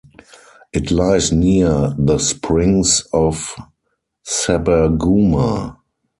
It lies near the springs of Sabarguma.